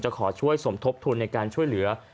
ขอช่วยสมทบทุนในการช่วยเหลือ